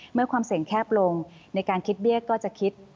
เมื่อความเสี่ยงแคบลงในการคิดเบี้ยก็จะคิด